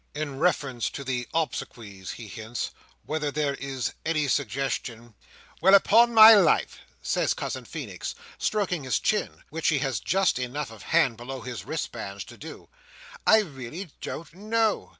"In reference to the obsequies," he hints, "whether there is any suggestion—" "Well, upon my life," says Cousin Feenix, stroking his chin, which he has just enough of hand below his wristbands to do; "I really don't know.